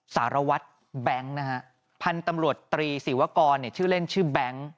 สารวัตรแบงค์นะฮะพันธุ์ตำรวจตรีศิวกรชื่อเล่นชื่อแบงค์